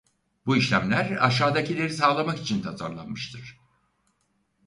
Bu işlemler aşağıdakileri sağlamak için tasarlanmıştır.